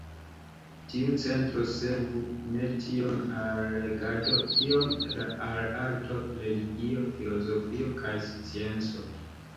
Tiu centro servu ne tiom al regado kiom al arto, religio, filozofio kaj scienco.